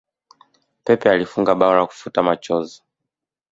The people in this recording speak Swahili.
pepe alifunga bao la kufuta machozi